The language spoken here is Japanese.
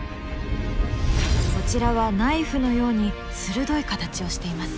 こちらはナイフのように鋭い形をしています。